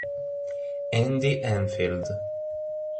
Andy Enfield